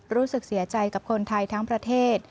รู้สึกเสียใจกับคนไทยทั้งประเทศ